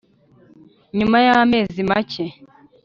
nyuma y'amezi make,